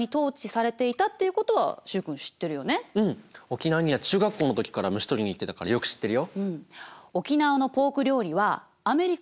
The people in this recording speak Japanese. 沖縄には中学校の時から虫捕りに行ってたからよく知ってるよ。